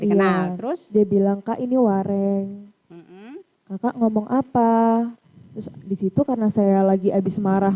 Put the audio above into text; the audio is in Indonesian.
terus dia bilang kak ini wareng kakak ngomong apa disitu karena saya lagi abis marah